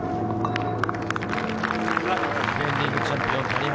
ディフェンディングチャンピオン、谷原。